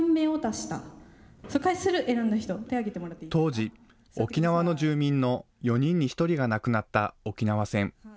当時、沖縄の住民の４人に１人が亡くなった沖縄戦。